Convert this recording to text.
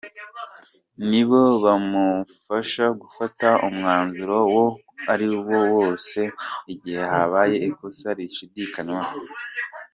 Ni bo bamufasha gufata umwanzuro uwo ari wo wose mu gihe habaye ikosa rishidikanywaho.